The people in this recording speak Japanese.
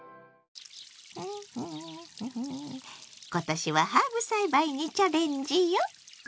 今年はハーブ栽培にチャレンジよ！